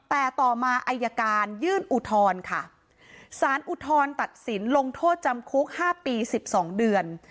แต่ต่อมาอัยการยื่นอุทรค่ะสารอุทรตัดสินลงโทษจำคุกห้าปีสิบสองเดือน